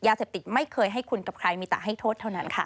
ยาเสพติดไม่เคยให้คุณกับใครมีแต่ให้โทษเท่านั้นค่ะ